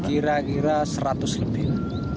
kira kira seratus lebih